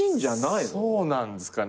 そうなんすかね。